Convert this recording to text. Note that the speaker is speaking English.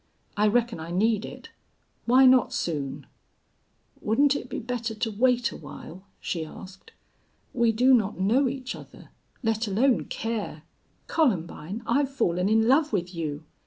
I reckon I need it. Why not soon?" "Wouldn't it be better to wait awhile?" she asked. "We do not know each other let alone care " "Columbine, I've fallen in love with you."